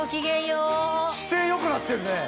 姿勢良くなってるね。